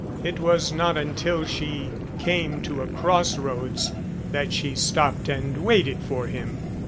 It was not until she came to a cross roads that she stopped and waited for him.